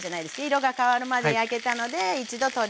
色が変わるまで焼けたので一度取り出します。